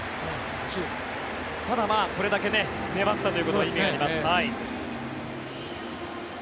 ただこれだけ粘ったということは意味があります。